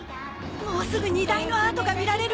もうすぐ荷台のアートが見られる。